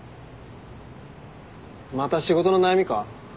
また仕事の悩みか？